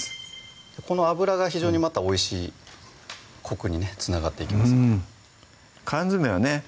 この油が非常にまたおいしいコクにねつながっていきますので缶詰はね